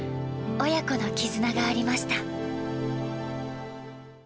親子の絆がありました。